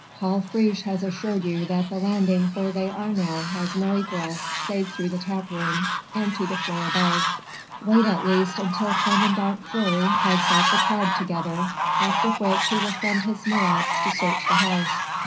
Paul Friche has assured you that the landing where they are now has no egress save through the tap room, and to the floor above. Wait at least until commandant Fleury has got the crowd together, after which he will send his Marats to search the house.